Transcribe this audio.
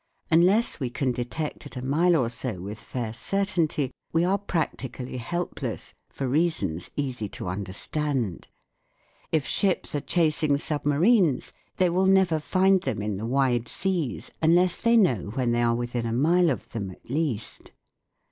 Unless we can detect at a mile or so with fair certainty, we are practically help less, for reasons easy to understand. If ships are chasing submarines they will never find them in the wide seas unless they know when they are within a mile of them at least.